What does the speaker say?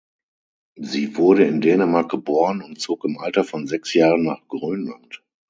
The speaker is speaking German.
Sie wurde in Dänemark geboren und zog im Alter von sechs Jahren nach Grönland.